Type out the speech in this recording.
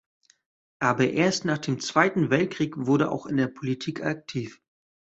Aber erst nach dem Zweiten Weltkrieg wurde auch in der Politik aktiv.